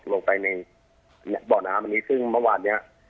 ลงไปในบ่อนน้ำอันนี้ขึ้นเมาะวันนี้